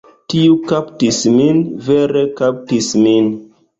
Tiu kaptis min. Vere kaptis min.